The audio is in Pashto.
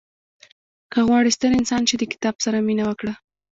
• که غواړې ستر انسان شې، د کتاب سره مینه وکړه.